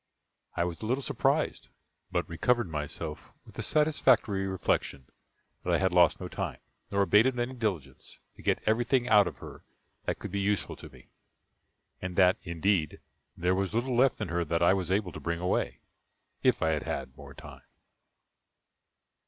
I was a little surprised, but recovered myself with the satisfactory reflection that I had lost no time, nor abated any diligence, to get everything out of her that could be useful to me; and that, indeed, there was little left in her that I was able to bring away, if I had had more time.